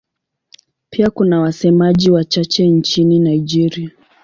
Pia kuna wasemaji wachache nchini Nigeria.